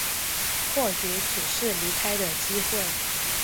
或许只是离开的机会